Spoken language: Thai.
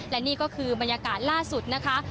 และนี่ก็คือบรรยากาศล่าสุดนะคะ